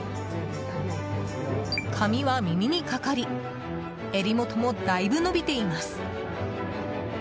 髪は耳にかかり襟元もだいぶ伸びています。